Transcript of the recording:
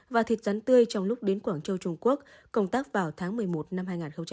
và thịt rắn tươi trong lúc đến quảng châu trung quốc công tác vào tháng một mươi một năm hai nghìn hai mươi